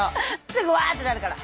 すぐうわってなるから。